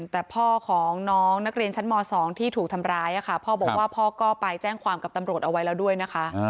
แต่พ่อของน้องนักเรียนชั้นม๒ที่ถูกทำร้ายพ่อบอกว่าพ่อก็ไปแจ้งความกับตำรวจเอาไว้แล้วด้วยนะคะ